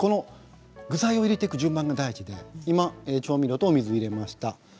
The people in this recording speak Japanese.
具材を入れていく順番が大事で今調味料と水を入れました。